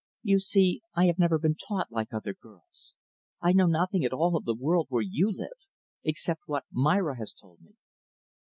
"You see I have never been taught like other girls. I know nothing at all of the world where you live except what Myra has told me."